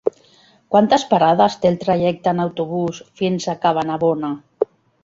Quantes parades té el trajecte en autobús fins a Cabanabona?